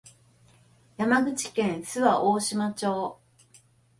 山口県周防大島町